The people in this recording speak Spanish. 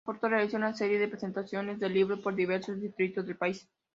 Oporto realizó una serie de presentaciones del libro por diversos distritos del país.